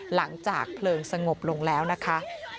หลังจากเพลิงสงบลงแล้วนะคะ